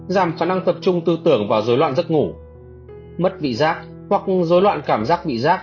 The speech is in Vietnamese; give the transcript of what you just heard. giảm khả năng tập trung tư tưởng vào rối loạn giấc ngủ mất vị giác hoặc rối loạn cảm giác vị giác